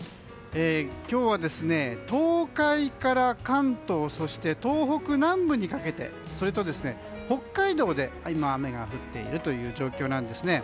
今日は東海から関東そして東北南部にかけてそれと北海道で今、雨が降っている状況なんですね。